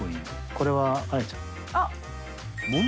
これは綾ちゃんの。